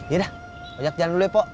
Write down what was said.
ya udah jak jalan dulu ya pak